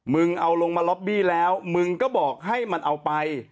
มึงเอาลงมาล็อบบี้แล้วมึงก็บอกให้มันเอาไป